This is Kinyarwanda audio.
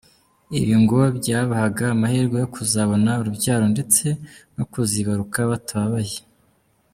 Ibi ngo byabahaga amahirwe yo kuzabona urubyaro ndetse no kuzibaruka batababaye.